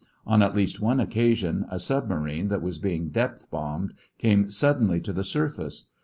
On at least one occasion, a submarine that was being depth bombed came suddenly to the surface.